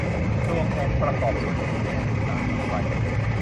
พลวงองค์ประกอบส่วนใหญ่จะใช้ในสารทนไฟ